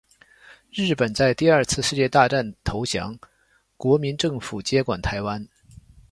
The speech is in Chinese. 日本在第二次世界大战投降，国民政府接管台湾。